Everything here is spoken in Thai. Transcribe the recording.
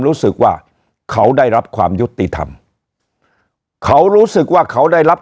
รู้สึกว่าเขาได้รับความยุติธรรมเขารู้สึกว่าเขาได้รับ